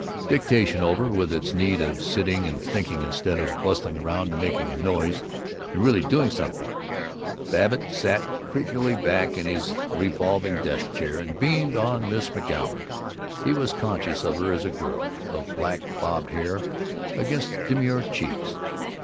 Dictation over, with its need of sitting and thinking instead of bustling around and making a noise and really doing something, Babbitt sat creakily back in his revolving desk chair and beamed on Miss McGoun. He was conscious of her as a girl, of black bobbed hair against demure cheeks.